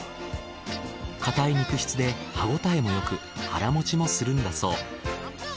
硬い肉質で歯ごたえもよく腹もちもするんだそう。